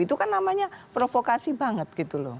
itu kan namanya provokasi banget gitu loh